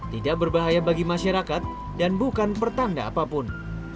tidak berbahaya bagi masyarakat dan bukan pertanda apapun